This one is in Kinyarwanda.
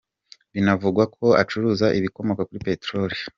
Binavugwa ko acuruza ibikomoka kuri Peteroli.